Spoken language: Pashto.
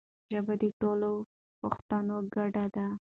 ژبه د ټولو پښتانو ګډه ده.